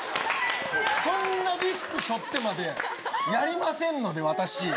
そんなリスク背負ってまでやりませんので私。